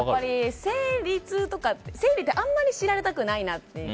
生理痛とか生理ってあまり知られたくないなって。